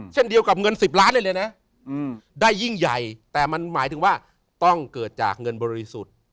เช่นเดียวกับเงิน๑๐ล้านเลยนะได้ยิ่งใหญ่แต่มันหมายถึงว่าต้องเกิดจากเงินบริสุทธิ์